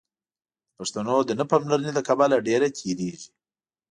د پښتو د نه پاملرنې له کبله ډېره تېرېږي.